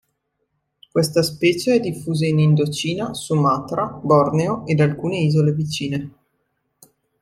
Questa specie è diffusa in Indocina, Sumatra, Borneo ed alcune isole vicine.